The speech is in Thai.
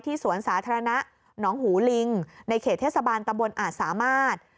สวนสาธารณะหนองหูลิงในเขตเทศบาลตำบลอาจสามารถ